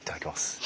はい。